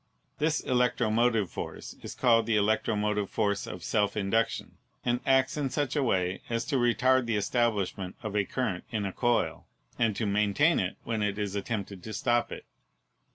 This electromotive force is called the electro motive force of self induction, and acts in such a way as to retard the establishment of a current in a coil, and to maintain it when it is attempted to stop it.